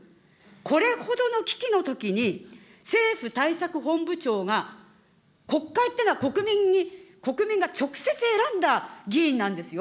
これほどの危機のときに政府対策本部長が、国会っていうのは国民に、国民が直接選んだ議員なんですよ。